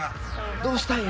どうしたんや？